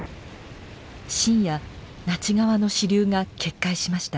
深夜那智川の支流が決壊しました。